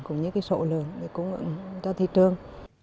cũng như cái sổ lường để cung ứng cho thị trường